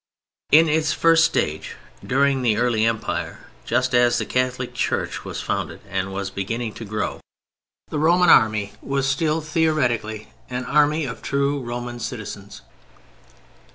In its first stage, during the early Empire, just as the Catholic Church was founded and was beginning to grow, the Roman Army was still theoretically an army of true Roman citizens.